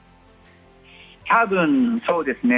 多分そうですね。